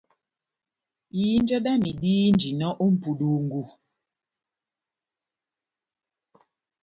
Ihinja dámi dihinjinɔ ó mʼpudungu,